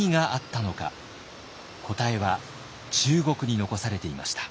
答えは中国に残されていました。